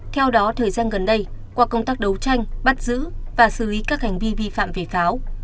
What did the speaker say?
theo đó thời gian gần đây qua công tác đấu tranh bắt giữ và xử lý các hành vi vi phạm về pháo